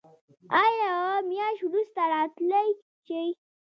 ایا یوه میاشت وروسته راتلی شئ؟